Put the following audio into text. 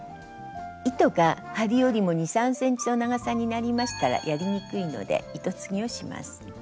糸が針よりも２３ｃｍの長さになりましたらやりにくいので糸継ぎをします。